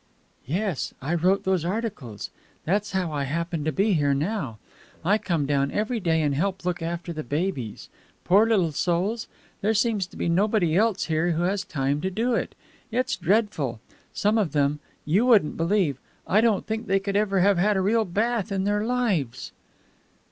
"Yes, I wrote those articles. That's how I happen to be here now. I come down every day and help look after the babies. Poor little souls, there seems to be nobody else here who has time to do it. It's dreadful. Some of them you wouldn't believe I don't think they could ever have had a real bath in their lives."